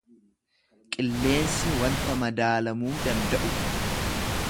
Qilleensi wanta madaalamuu danda’u dha.